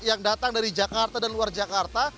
yang datang dari jakarta dan luar jakarta